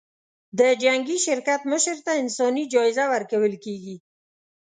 د جنګي شرکت مشر ته انساني جایزه ورکول کېږي.